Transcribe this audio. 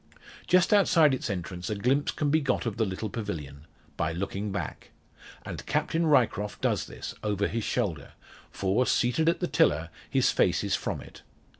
Just outside its entrance a glimpse can be got of the little pavilion by looking back. And Captain Ryecroft does this, over his shoulder; for, seated at the tiller, his face is from it.